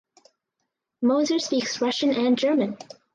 Moser speaks Russian and German.